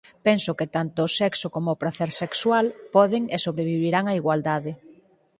Penso que tanto o sexo coma o pracer sexual poden e sobrevivirán á igualdade.